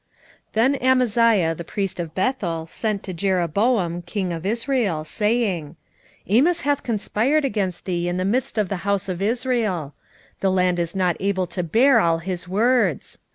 7:10 Then Amaziah the priest of Bethel sent to Jeroboam king of Israel, saying, Amos hath conspired against thee in the midst of the house of Israel: the land is not able to bear all his words.